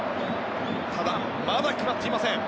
ただ、まだ決まっていません。